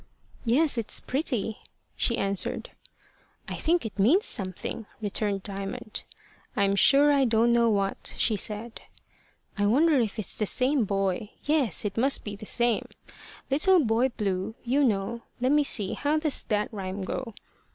"Yes, it's pretty," she answered. "I think it means something," returned Diamond. "I'm sure I don't know what," she said. "I wonder if it's the same boy yes, it must be the same Little Boy Blue, you know. Let me see how does that rhyme go?